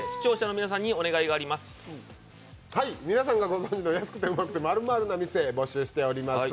皆さんがご存じの「安くてウマくて○○な店」を募集しています